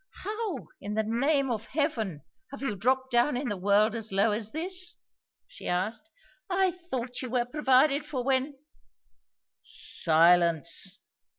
"How, in the name of Heaven, have you dropped down in the world as low as this?" she asked. "I thought you were provided for when " "Silence!"